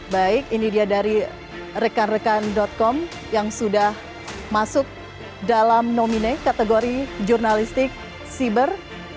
baik ini dia dari rekan rekan com yang sudah masuk dalam nomine kategori jurnalistik siber